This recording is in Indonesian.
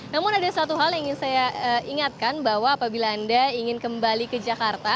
namun ada satu hal yang ingin saya ingatkan bahwa apabila anda ingin kembali ke jakarta